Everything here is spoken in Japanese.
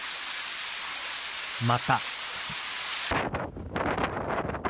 また。